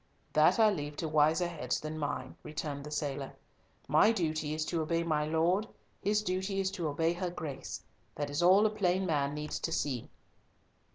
"That I leave to wiser heads than mine," returned the sailor. "My duty is to obey my Lord, his duty is to obey her Grace. That is all a plain man needs to see."